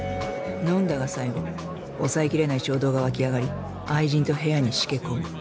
飲んだが最後抑えきれない衝動が沸き上がり愛人と部屋にしけ込む。